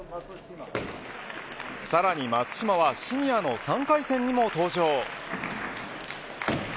さらに松島はシニアの３回戦にも登場。